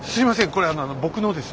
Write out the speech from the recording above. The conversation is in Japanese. これ僕のです。